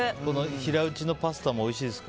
平打ちのパスタもおいしいですか？